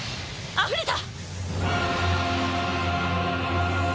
あふれた！